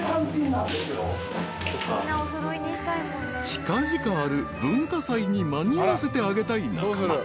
［近々ある文化祭に間に合わせてあげたい中間］